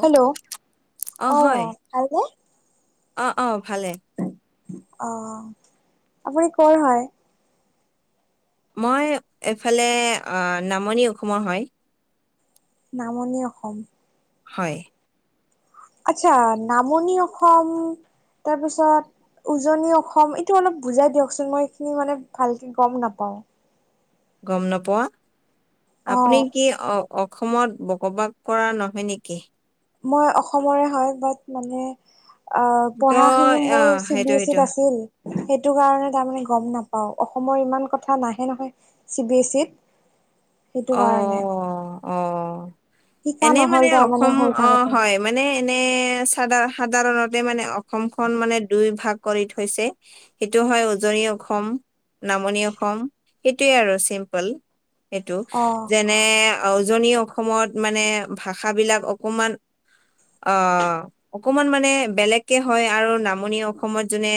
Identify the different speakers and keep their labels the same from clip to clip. Speaker 1: Hello অ', ভালনে?
Speaker 2: অ অ ভালে
Speaker 1: অ', আপুনি কৰ হয়।
Speaker 2: মই এইফালে নামনি অসমৰ হয়।
Speaker 1: নামনি অসম।
Speaker 2: হয়।
Speaker 1: আচ্ছা নামনি অসম তাৰপিছত উজনি অসম এইটো অলপ বুজাই দিয়কচোন মই এইখিনি মানে ভালকৈ গম নাপাওঁ।
Speaker 2: গম নোপোৱা
Speaker 1: অ
Speaker 2: আপুনি কি অ অসমত বসবাস কৰা নহয় নেকি?
Speaker 1: মই অসমৰে হয় বাট মানে আ
Speaker 2: ত
Speaker 1: পঢ়াখিনি
Speaker 2: অ
Speaker 1: মোৰ চি
Speaker 2: সেইটো
Speaker 1: বি এচ
Speaker 2: সেইটো
Speaker 1: ইত আছিল। সেইটো কাৰণে তাৰমানে গম নাপাও অসমৰ ইমান কথা নাহে নহয় চি বি এছ ইত। [unintelligible]
Speaker 2: অ
Speaker 1: কাৰণে
Speaker 2: অ
Speaker 1: শিকা
Speaker 2: এনে
Speaker 1: নহল
Speaker 2: মানে
Speaker 1: তাৰমানে
Speaker 2: অসম
Speaker 1: সৰু
Speaker 2: অ
Speaker 1: থাকোতে
Speaker 2: হয় মানে এনে সাধাৰণতে মানে অসমখন মানে দুই ভাগ কৰি থৈছে সেইটো হয় উজনি অসম নামনি অসম সেইটোৱে আৰু চিম্পল এইটো
Speaker 1: অ
Speaker 2: যেনে উজনি অসমত মানে ভাষাবিলাক অকমান অ অকমান মানে বেলেগকে হয় আৰু নামনি অসমত যোনে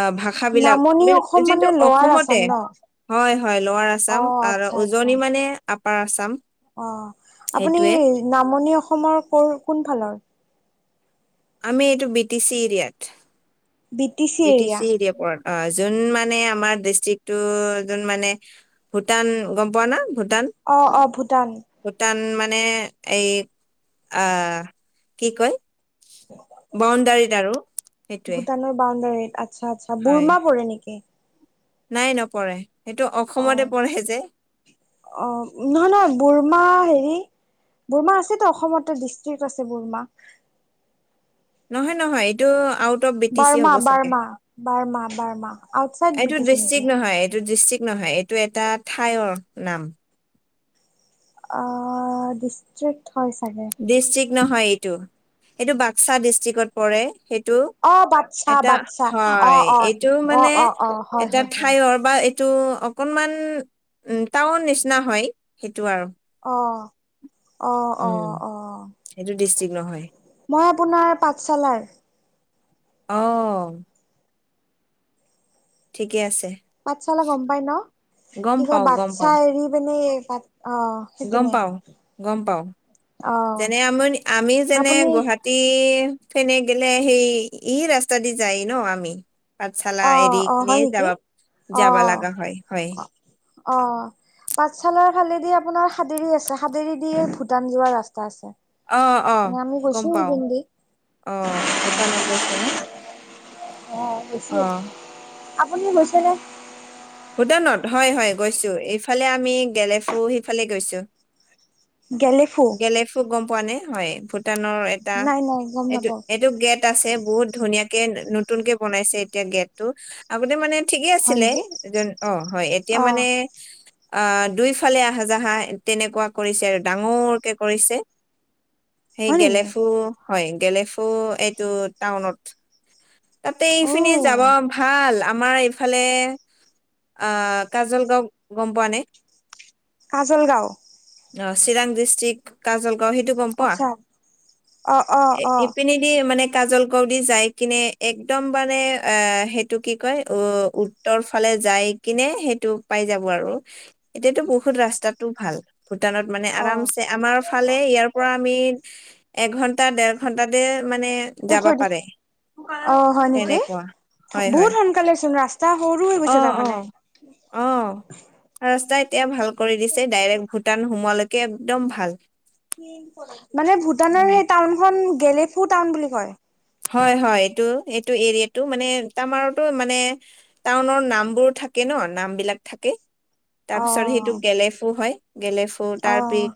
Speaker 2: অ ভাষাবিলাক
Speaker 1: নামনি অসম মানে
Speaker 2: যিটো
Speaker 1: লৱাৰ আছাম
Speaker 2: অসমতে
Speaker 1: ন
Speaker 2: হয় হয় লোৱাৰাৰ
Speaker 1: অ
Speaker 2: আছাম আৰু
Speaker 1: আচ্ছা আচ্ছা
Speaker 2: উজনি মানে আপাৰ আছাম
Speaker 1: অ আপুনি
Speaker 2: সেইটোৱে
Speaker 1: নামনি অসমৰ ক কোন ফালৰ?
Speaker 2: আমি এইটো বি টি চি এৰিয়াত
Speaker 1: B
Speaker 2: P T C area পৰত অ যোন মানে আমাৰ ডিষ্ট্ৰিকটো যোন মানে ভূটান গম পোৱা না ভূটান?
Speaker 1: অ অ ভূটান।
Speaker 2: ভূটান মানে এই আহ কি কয় বাউণ্ডাৰীত আৰু সেইটোৱে।
Speaker 1: ভূটানৰ বাউণ্ডাৰীত আচ্ছা আচ্ছা
Speaker 2: হয়
Speaker 1: বুুৰমা পৰে নেকি?
Speaker 2: নাই নপৰে সেইটো অসমতে পৰে যে।
Speaker 1: অঁ নহয় নহয় বুৰমা হেৰী বুৰমা আছেতো অসমতে ডিষ্ট্ৰিক আছে বুৰমা।
Speaker 2: নহয় নহয় এইটো আ out of B T C
Speaker 1: Verma
Speaker 2: হ'ব চাগে।
Speaker 1: বাৰ্মা বাৰ্মা বাৰ্মা আউটচাইড বি
Speaker 2: এইটো
Speaker 1: টি চি
Speaker 2: ডিষ্ট্ৰিক
Speaker 1: নেকি
Speaker 2: নহয় এইটো ডিষ্ট্ৰিক নহয় এই এইটো এটা ঠাইৰ নাম।
Speaker 1: অহ ডিষ্ট্ৰিক্ট হয় চাগে।
Speaker 2: ডিষ্ট্ৰিক্ট নহয় এইটো এইটো বাক্সা ডিষ্ট্ৰিকত পৰে সেইটো।
Speaker 1: অ বাচ্ছা
Speaker 2: এটা
Speaker 1: বাচ্ছা অ
Speaker 2: হয়
Speaker 1: অ
Speaker 2: এইটো
Speaker 1: অ
Speaker 2: মানে
Speaker 1: অ অ হয়
Speaker 2: এটা
Speaker 1: হয় হয়
Speaker 2: ঠাইৰ বা এইটো অকণমান টাউন নিচিনা হয় সেইটো আৰু।
Speaker 1: অহ অ অ
Speaker 2: উম
Speaker 1: অহ।
Speaker 2: সেইটো ডিষ্ট্ৰিক্ট নহয়
Speaker 1: মই আপোনাৰ পাঠশালাৰ।
Speaker 2: অ। ঠিকে আছে।
Speaker 1: পাঠশালা গম পাই ন?
Speaker 2: গম
Speaker 1: কি কয়
Speaker 2: পাও গম
Speaker 1: বাচ্ছা
Speaker 2: পাও
Speaker 1: এৰি পিনে বাট অ।
Speaker 2: গম
Speaker 1: সেইপিনে
Speaker 2: পাওঁ, গম পাওঁ।
Speaker 1: অ
Speaker 2: যেনে আমি আমি যেনে
Speaker 1: আপুনি
Speaker 2: গুৱাহাটী টী ফেনে গেলে সেই ই ৰাস্তা দি যায় ন আমি? পাঠশালা
Speaker 1: অ
Speaker 2: এৰি
Speaker 1: অ
Speaker 2: কিনি
Speaker 1: হয় নেকি
Speaker 2: যাবা যাবা লাগা হয় হয়।
Speaker 1: অহ। পাঠশালাৰ ফালেদি আপোনাৰ সাদেৰী আছে সাদেৰী দিয়েই ভূটান যোৱাৰ ৰাস্তা আছে।
Speaker 2: অ অ
Speaker 1: মানে আমি গৈছো
Speaker 2: গম পাওঁ।
Speaker 1: সেইপিনেদি
Speaker 2: অ ভূটানত গৈছে ন?
Speaker 1: অ
Speaker 2: অ
Speaker 1: গৈছো। আপুনি গৈছেনে?
Speaker 2: ভূটানত হয় হয় গৈছো এইফালে আমি গেলেফু সেইফালে গৈছো।
Speaker 1: গেলেফু?
Speaker 2: গেলেফু গম পোৱা নে? হয়, ভূটানৰ এটা
Speaker 1: নাই নাই গম
Speaker 2: এইটো
Speaker 1: নাপাও
Speaker 2: এইটো গেট আছে বহুত ধুনীয়াকে নতুনকে বনাইছে এতিয়া গেটটো আগতে মানে ঠিকে
Speaker 1: হয়
Speaker 2: আছিলে
Speaker 1: নেকি
Speaker 2: অ হয় এতিয়া
Speaker 1: অ
Speaker 2: মানে আ দুইফালে আহা যাহা তেনেকুৱা কৰিছে আৰু ডাঙৰকে কৰিছে।
Speaker 1: [inaudible]
Speaker 2: সেই
Speaker 1: হয় নেকি
Speaker 2: গেলেফু হয় গেলেফু এইটো টাউনত তাতে
Speaker 1: অ
Speaker 2: এইফিনি যাব ভাল আমাৰ এই এইফালে আহ কাজল গাওঁ গম পোৱা নে?
Speaker 1: কাজল গাঁও।
Speaker 2: অঁ চিৰাং ডিষ্ট্ৰিকট কাজলগাও সেইটো গম পোৱা?
Speaker 1: আচ্ছা অ অ
Speaker 2: এ
Speaker 1: অ
Speaker 2: ইপিনি দি মানে কাজল গড়দি মানে যাই কিনে। একদম মানে এ, সেইটো কি কয় অ উত্তৰ ফালে যাই কিনে সেইটো পাই যাব আৰু এতিয়াতো বহুত ৰাস্তাত তো ভাল। ভূটানত মানে
Speaker 1: অ
Speaker 2: আৰামছে আমাৰ ফালে ইয়াৰ পৰা আমি এঘন্টা দেৰ ঘন্টাতে মানে
Speaker 1: এই
Speaker 2: যাব
Speaker 1: থৈ দিছো
Speaker 2: পাৰে।
Speaker 1: অ হয় নেকি?
Speaker 2: তেনেকুৱা
Speaker 1: বহুত সোনকালে চোন ৰাস্তা সৰু গৈছে
Speaker 2: অঁ
Speaker 1: তাৰমানে
Speaker 2: অঁ অঁ ৰাস্তা এতিয়া ভাল কৰি দিছে। ডাইৰেক্ট ভূটান সোমোৱালৈকে একদম ভাল
Speaker 1: মানে, ভূটানৰ
Speaker 2: উম
Speaker 1: সেই টাউনখন গলেকু টাউন বুলি কয়।
Speaker 2: হয় হয় এইটো, এইটো এৰিয়াটো মানে তমাৰতো মানে টাউনৰ নামবোৰ থাকে ন, নাম বিলাক থাকে।
Speaker 1: অ
Speaker 2: তাৰপিছত সেইটো গেলেফু হয়। গলেফু,
Speaker 1: অ
Speaker 2: তাৰপি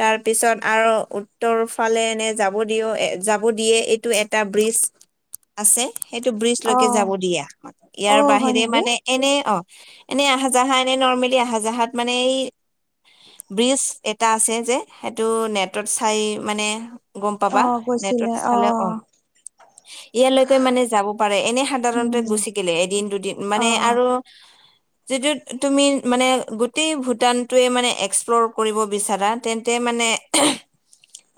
Speaker 2: তাৰ পিছত আৰু উত্তৰ ফালে এনে যাব দিও এ যাব দিয়ে এইটো এ এটা ব্ৰিজ আছে। ‌ সেইটো ব্ৰীজ
Speaker 1: অ
Speaker 2: লৈকে যাব দিয়ে
Speaker 1: অ
Speaker 2: ইয়াৰ
Speaker 1: হয়
Speaker 2: বাহিৰে
Speaker 1: নেকি
Speaker 2: মানে এনেই অঁ, এনে আহ যাহা এনেই নৰ্মেলি আহজাহাত মানে এই ব্ৰিজ এটা আছে যে, সেইটো নেটত চাই মানে গম
Speaker 1: অ
Speaker 2: পাবা। নেটত
Speaker 1: গৈছিলে অ
Speaker 2: চালে অঁ ইয়ালৈকে মানে যাব পাৰে, এনেই সাধাৰণতে
Speaker 1: উম
Speaker 2: গুচি গলে এদিন দুদিন
Speaker 1: অ
Speaker 2: মানে আৰু
Speaker 1: [unintelligible]
Speaker 2: যিটো তুমি মানে গোটেই ভূটানটোৱে মানে এক্সপ্লৰ কৰিব বিচাৰা, তেন্তে মানে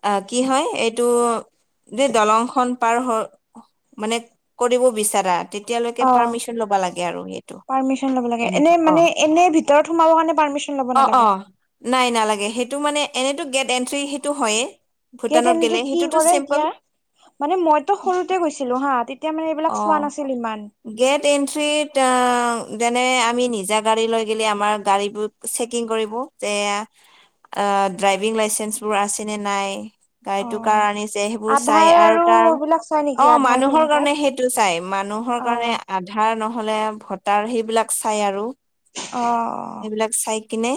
Speaker 2: আহ, কি হয় এইটো যে দলংখনন পাৰ হ মানে কৰিব বিচাৰা তেতিয়ালৈকে
Speaker 1: অ
Speaker 2: পাৰ্মিশন ল'বা লাগে আৰু ইটো
Speaker 1: পাৰ্মিশন ল'ব লাগে এনে
Speaker 2: তেনেকা অঁ
Speaker 1: মানে এনে ভিতৰত সোমাব কাৰণে পাৰ্মিশন ল'ব নালাগে?
Speaker 2: নাই নালাগে। সেইটো মানে এনেইতো গেট এণ্ট্ৰি সেইটো হয়েই।
Speaker 1: গেট এনত্ৰী কি কৰে এতিয়া? মানে মইতো সৰুতে গৈছিলো হা, তেতিয়া মানে
Speaker 2: অ
Speaker 1: এইবিলাক চোৱা নাছিল ইমান।
Speaker 2: গেট এন্ট্ৰত অ যেনে আমি নিজা গাড়ী লৈ গিলে আমাৰ গাড়ীবোৰ চেকিং কৰিব যে য়া ড্ৰাইভিং লাইচেন্স বোৰ আছে নে নাই?
Speaker 1: অ
Speaker 2: গায়টো কাৰ আনিছে, সেইবোৰ চাই
Speaker 1: আধাৰ
Speaker 2: আৰু তাৰ
Speaker 1: এইবিলাক চাই
Speaker 2: অ
Speaker 1: নেকি আধাৰ পেন
Speaker 2: মানুহৰ
Speaker 1: কাৰ্ড
Speaker 2: কাৰণে সেই চাই। মানুহৰ
Speaker 1: অ
Speaker 2: কাৰণে আধাৰ নহ'লে ভটাৰ সেইবিলাক চাই আৰু
Speaker 1: অঁ
Speaker 2: সেইবিলাক চাই কিনে,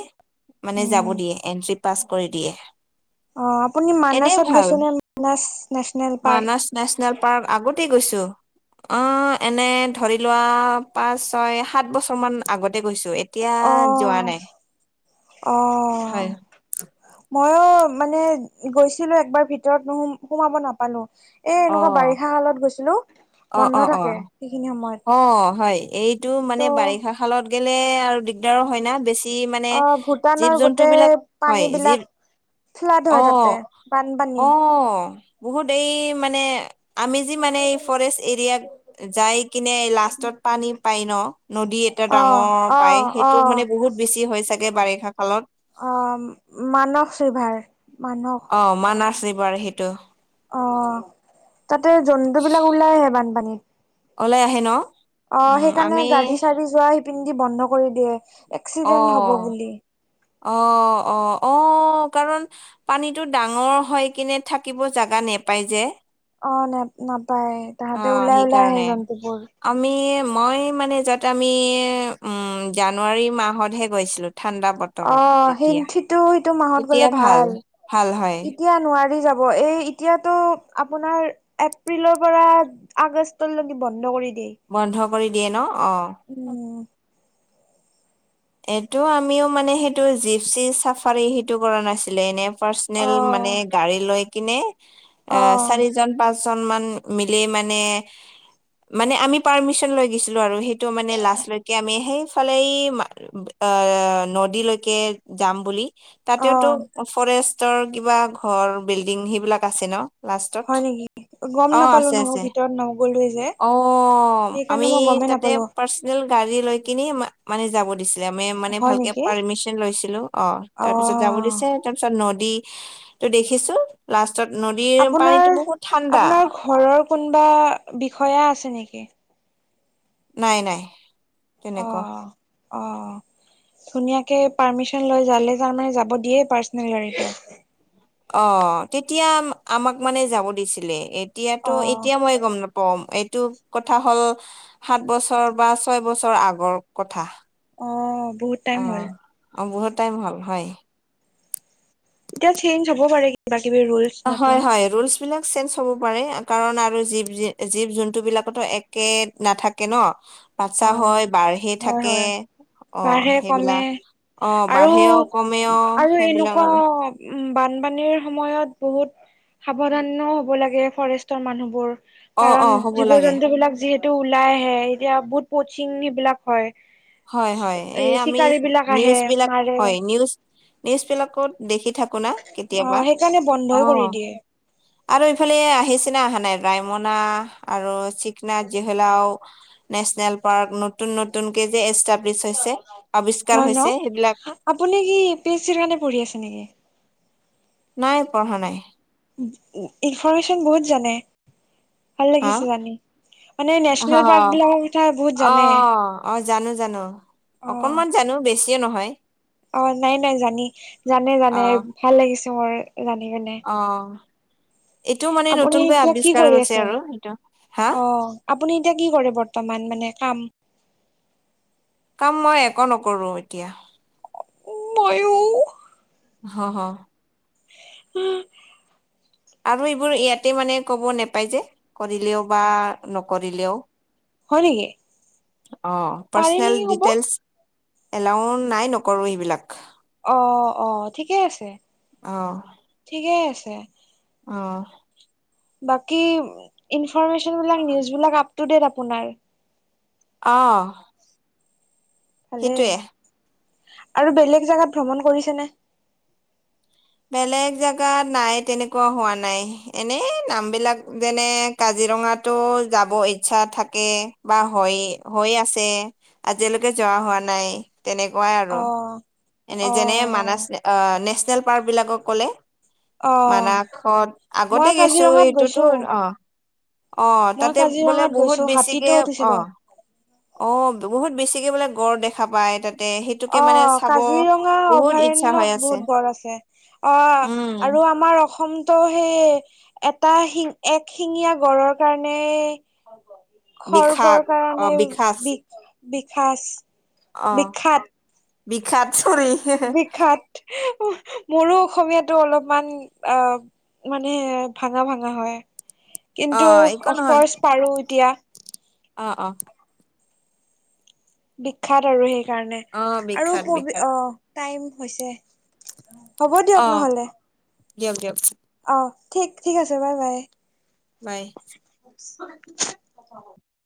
Speaker 2: মানে যাব দিয়ে। এন্ট্ৰি পাছ কৰি দিয়ে
Speaker 1: অঁ, আপুনি
Speaker 2: এনে
Speaker 1: মানাসত
Speaker 2: ভাল
Speaker 1: গৈছে নে Manas national park?
Speaker 2: Manas national park আগতেই গৈছো। অঁ, এনে ধৰি লোৱা পাঁচ ছয় সাত বছৰমানান আগতে গৈছো। এতিয়া যোৱা নাই।
Speaker 1: অঁ
Speaker 2: হয়
Speaker 1: ময়ো মানে গৈছিলো একবাৰ ভিতৰত নোসো সোমাব নাপালো। এ এনেকুৱা
Speaker 2: অ'
Speaker 1: বাৰিষা কালত গৈছিলো বন্ধ থাকে। সেইখিনি সময়ত
Speaker 2: অঁ হয় এইটো
Speaker 1: ত'
Speaker 2: মানে বাৰিষা কালত গেলে আৰু দিগদাৰো হয় না বেছি কি মানে
Speaker 1: অ
Speaker 2: জীৱ
Speaker 1: ভূটানৰ
Speaker 2: জন্তু
Speaker 1: গোটেই
Speaker 2: বিলাক, হয়
Speaker 1: পানী বিলাক
Speaker 2: জীৱ
Speaker 1: ফ্লাড হয় তাতে
Speaker 2: অঁ,
Speaker 1: বানপানী
Speaker 2: অঁ, বহুত দেই মানে আমি যি মানে এই ফৰেষ্ট এৰিয়াক যাই কিনে লাষ্টত পানী পায় ন নদী এটা
Speaker 1: অ
Speaker 2: ডাঙৰ
Speaker 1: অ
Speaker 2: পায় সেই
Speaker 1: অ
Speaker 2: তো মানে বহুত বেছি হয় চাগে বাৰিষা কালত।
Speaker 1: অঁ, মানস ৰিভাৰ মানস।
Speaker 2: অঁ' মানাছ ৰিভাৰ সেইটো।
Speaker 1: অ' তাতে জন্তু বিলাক ওলাই আহে বানপানীত?
Speaker 2: ওলাই আহে ন'?
Speaker 1: অ'
Speaker 2: উম
Speaker 1: সেইকাৰণে
Speaker 2: আমি
Speaker 1: গাড়ী চাৰড়ি যোৱা সিপিন্ধি বন্ধ কৰি দিয়ে। এক্সিডেন্ট হব
Speaker 2: অ',
Speaker 1: বুলি
Speaker 2: অ', অ' অঁ, কাৰণ পানীটো ডাঙৰ হৈ কিনে থাকিব জাগা নেপায় যে।
Speaker 1: অ' নে নাপায়
Speaker 2: অ
Speaker 1: তাহাঁতে ওলাই ওলাই আহে
Speaker 2: সেইকাৰণে
Speaker 1: জন্তুবোৰ।
Speaker 2: আমি মই মানে য'ত আমি জানুৱাৰী মাহতহে গৈছিলোঁ ঠাণ্ডাাপত
Speaker 1: অ' সেথিটো সেইটো মাহত গলে ভাল
Speaker 2: ভাল হয়
Speaker 1: এতিয়া নোৱাৰি যাব এই এতিয়াতটো আপোনাৰ এপ্ৰিলৰ পৰা আগষ্টলৈকে বন্ধ কৰি দিয়ে।
Speaker 2: বন্ধ কৰি দিয়ে ন' অঁ।
Speaker 1: উম'।
Speaker 2: এইটো আমিও মানে সেইটো জিপচি চাফাৰী সেইটো কৰা নাছিলে এনে ফাষ্ট
Speaker 1: অ
Speaker 2: মানে গাৰি লৈ কিনে
Speaker 1: অ
Speaker 2: এ চাৰি জন পাঁচজন মান মিলি মানে মানে আমি পাৰ্মিশন লৈ গৈছিলো আৰু সেইটো মানে লাষ্টলৈকে আমি সেইফালে এ নদীলৈকে যাম বুলি
Speaker 1: অ
Speaker 2: তাতেওতো ফৰেষ্ট ৰ কিবা ঘৰ বিল্ডিং সেইবিলাক আছে ন'? লাষ্টত
Speaker 1: হয় নেকি গম
Speaker 2: অ'
Speaker 1: নাপালো
Speaker 2: আছে
Speaker 1: নহয়
Speaker 2: আছে
Speaker 1: ভিতৰত নগলোৱে যে
Speaker 2: অ'
Speaker 1: সেইকাৰণে
Speaker 2: আমি
Speaker 1: মই গমেই
Speaker 2: তাতে
Speaker 1: নাপালো
Speaker 2: পাৰ্চনেল গাড়ী লৈ কিনি মানে যাব দ আমি মানে
Speaker 1: হয়
Speaker 2: ভালকে
Speaker 1: নেকি
Speaker 2: পাৰ্মিচন লৈছিলো অ' তাৰ পিছত যাব
Speaker 1: অ
Speaker 2: দিছে। তাৰপিছত নদীতো দেখিছো লাষ্টত নদীৰ
Speaker 1: আপোনাৰ
Speaker 2: পানীতো বহুত ঠাণ্ডা।
Speaker 1: আপোনাৰ ঘৰৰ কোনোবা বিষয়া আছে নেকি?
Speaker 2: নাই নাই। তেনেকুৱা
Speaker 1: অ'। অ' ধুনীয়াকে পাৰ্মিচন লৈ যালে তাৰ মানে যাব দিয়ে পাৰ্চনেল গাড়ীটো।
Speaker 2: অ' তেতিয়া আমাক মানে যাব দিছিলে এতিয়াতো
Speaker 1: অ',
Speaker 2: এতিয়া মই গম নাপম। কম এইটো কথা হ'ল সাত বছৰ বা ছয় বছৰ আগৰ কথা।
Speaker 1: অ', বহুত টাইম হ'ল।
Speaker 2: অ', অ' বহুত টাইম হ'ল হয়।
Speaker 1: এতিয়া চেঞ্জ হ'ব পাৰে কিবা কিবি ৰোল।
Speaker 2: হয়, হয় ৰুলছ বিলাক চেঞ্জ হ'ব পাৰে কাৰণ আৰু জী জীৱ জন্তু বিলাকতো একে নাথাকে ন'। বাচছা হয়
Speaker 1: অ'।
Speaker 2: বাঢ়ে
Speaker 1: হয়,
Speaker 2: থাকে।
Speaker 1: হয়
Speaker 2: অ
Speaker 1: বাঢ়ে কমে
Speaker 2: সেইবিলাক অ
Speaker 1: আৰু
Speaker 2: বাঢ়েও কমেও
Speaker 1: আৰু
Speaker 2: সেইবিলাক
Speaker 1: এনেকুৱা
Speaker 2: আৰু
Speaker 1: উম, বানপানীৰ সময়ত বহুত সাৱধানও হ'ব লাগে ফৰেষ্টৰ মানুহবোৰ।
Speaker 2: অ অ
Speaker 1: কাৰণ
Speaker 2: হ'ব
Speaker 1: জীৱ
Speaker 2: লাগে
Speaker 1: জন্তু বিলাক যিহেতু ওলাই আহে এতিয়া বহুত পচিং সেইবিলাক হয়।
Speaker 2: হয়, হয় এই আমি
Speaker 1: চিকাৰী বিলাক আহে
Speaker 2: নিউজ বিলাক
Speaker 1: মাৰে
Speaker 2: হয় নিউজ নিউজ বিলাকত দেখি থাক কুনা
Speaker 1: অ
Speaker 2: কেতিয়াবা
Speaker 1: সেইকাৰণে বন্ধই কৰি
Speaker 2: অ'।
Speaker 1: দিয়ে
Speaker 2: আৰু ইফালে আহিচিনা অহা নাই ৰায়মনা আৰু চ হাও নেচনেল পাৰ্ক নতুন নতুন এই যে এষ্টাব্লিছ হৈছে আৱিষ্কাৰ
Speaker 1: হয় ন
Speaker 2: হৈছে সেইবিলাক
Speaker 1: আপুনি কি ইউ পি এইচ চিৰ কাৰণে পঢ়ি আছে নেকি?
Speaker 2: নাই পঢ়া নাই।
Speaker 1: ইনফ্ৰৰ্মেশ্যন বহুত জানে ভাল লাগিছে জানি। মানে নেচনেল
Speaker 2: অহ', অহ
Speaker 1: পাৰ্ক বিলাকৰ কথা বহুত জানে
Speaker 2: ', অহ' জানো জানো অকণমান জানো বেছিয়ে নহয়।
Speaker 1: অহ' নাই নাই জানি জানে
Speaker 2: অ
Speaker 1: জানে ভাল লাগিছে মোৰ জানি কিনে।
Speaker 2: অ'হ
Speaker 1: আপুনি এতিয়া কি কৰি
Speaker 2: হৈছে
Speaker 1: আছে
Speaker 2: আৰু এইটো হা
Speaker 1: অ'হ আপুনি এতিয়া কি কৰে বৰ্তমান মানে কাম
Speaker 2: কাম মই একো নকৰো এতিয়া
Speaker 1: ময়ো
Speaker 2: হ'হ
Speaker 1: উম
Speaker 2: আৰু এইবোৰ ইয়াতে মানে ক'ব নাপায় যে কৰিলেও বা নকৰিলেও
Speaker 1: হয় নেকি
Speaker 2: অহ
Speaker 1: পাৰি নেকি
Speaker 2: পাৰৰ্চেন্টে
Speaker 1: কব
Speaker 2: ডিটেইলছ এলাউ নাই নকৰো এইবিলাক
Speaker 1: অহ অহ ঠিকেই আছে
Speaker 2: অ
Speaker 1: ঠিকেই আছে
Speaker 2: অহ
Speaker 1: বাকী ইনফ্ৰৰ্মেশ্যন বিলাক নিউজ বিলাক আপলোৰ্ডেত আপোনাৰ
Speaker 2: অঁহ
Speaker 1: এনেই আৰু বেলেগ জোগাত ভ্ৰমণ কৰিছে নে
Speaker 2: বেলেগ জেগাত নাই তেনেকুৱা হোৱা নাই এনেই নাম বিলাক যেনে কাজিৰঙাতো যাব ইচ্ছা থাকে বা হৈ হৈ আছে আজিলৈকে যোৱা হোৱা নাই তেনেকুৱাই আৰু
Speaker 1: অ
Speaker 2: এনে
Speaker 1: অ
Speaker 2: যেনে মানস অহ নেচেনেল পাৰ্ক বিলাক কলে
Speaker 1: অ
Speaker 2: মানাসত
Speaker 1: মই
Speaker 2: আগতে গৈছো
Speaker 1: কাজিৰঙাত
Speaker 2: এইটো
Speaker 1: গৈছো
Speaker 2: অহ অহ
Speaker 1: মই
Speaker 2: তাতে বোলে
Speaker 1: কাজিৰঙাত
Speaker 2: বহুত
Speaker 1: গৈছো
Speaker 2: বেছিকে
Speaker 1: হাতীতো উঠিছিলো
Speaker 2: অহ অহ বহুত বেছিকে বোলে গড় দেখা পায় তাতে সেই
Speaker 1: অহ কাজিৰঙা অভয়াৰণ্য
Speaker 2: হৈ আছে
Speaker 1: বহুত গড় আছে অহ
Speaker 2: উম
Speaker 1: আৰু আমাৰ অসম ত সেই এটা শিং এক শিঙীয়া গড়ৰ কাৰণে খৰ্গৰ
Speaker 2: বিশাস অ
Speaker 1: কাৰণে বি
Speaker 2: বিশাস
Speaker 1: বি বিকাশ
Speaker 2: অ
Speaker 1: বিখ্যাত
Speaker 2: বিখ্যাত চৰি হেহু
Speaker 1: হুেহ মোৰো অসমীয়াতো অলপমান অহ মানে ভাঙা ভাঙা হয়
Speaker 2: অ
Speaker 1: কিন্তু
Speaker 2: একো
Speaker 1: অফকৰ্চ পাৰোঁ এতিয়া
Speaker 2: অহ অহ
Speaker 1: বিখ্যাত আৰু সেইকাৰণে
Speaker 2: অ
Speaker 1: আৰু
Speaker 2: বিখ্যাত
Speaker 1: পবি
Speaker 2: বিখ্যাত
Speaker 1: অহ টাইম হৈছে হ'ব
Speaker 2: অ
Speaker 1: দিয়ক নহলে
Speaker 2: দিয়ক যিয়ক
Speaker 1: অহ ঠিক ঠিক আছে বাই বাই
Speaker 2: বাই
Speaker 1: [unintelligible]